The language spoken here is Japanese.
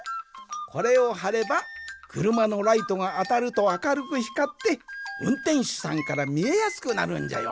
これをはればくるまのライトがあたるとあかるくひかってうんてんしゅさんからみえやすくなるんじゃよ。